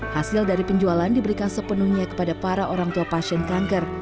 hasil dari penjualan diberikan sepenuhnya kepada para orang tua pasien kanker